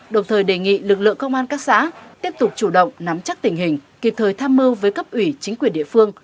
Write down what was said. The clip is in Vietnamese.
đồng thời đề nghị lực lượng công an các xã tiếp tục chủ động nắm chắc tình hình kịp thời tham mưu với cấp ủy chính quyền địa phương